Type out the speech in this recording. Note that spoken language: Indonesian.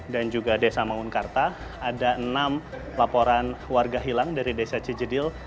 dan juga desa maungkarta ada enam laporan warga hilang dari desa cijedil